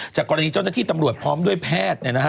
กรณีเจ้าหน้าที่ตำรวจพร้อมด้วยแพทย์